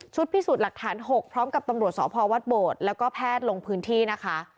พิสูจน์หลักฐาน๖พร้อมกับตำรวจสพวัดโบดแล้วก็แพทย์ลงพื้นที่นะคะ